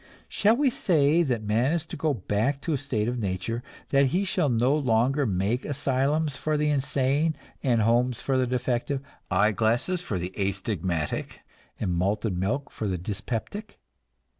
Shall we say that man is to go back to a state of nature, that he shall no longer make asylums for the insane and homes for the defective, eye glasses for the astigmatic and malted milk for the dyspeptic?